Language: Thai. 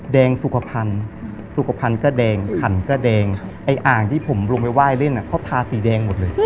แดงสุขภัณฑ์สุขภัณฑ์ก็แดงขันก็แดงไอ้อ่างที่ผมลงไปไหว้เล่นเขาทาสีแดงหมดเลย